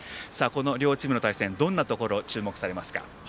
この両チームの対戦どんなところ注目されますか。